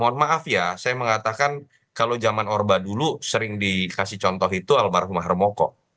saya mengatakan kalau zaman orba dulu sering dikasih contoh itu almarhumah armoko